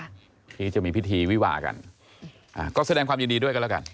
ที่จะมีพิธีวิวากันอ่าก็แสดงความยินดีด้วยกันแล้วกัน